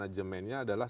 tapi yang pentingnya adalah